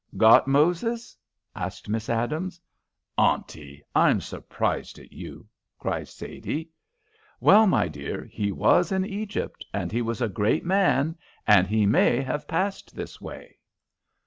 "Got Moses?" asked Miss Adams. "Auntie, I'm surprised at you!" cried Sadie. "Well, my dear, he was in Egypt, and he was a great man, and he may have passed this way."